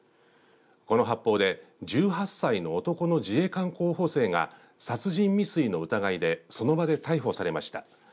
この発砲で１８歳の男の自衛官候補生が殺人未遂の疑いでその場で逮捕されました。